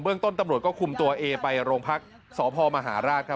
เบื้องต้นตำรวจก็คุมตัวเอไปโรงพักษ์สภมหาราช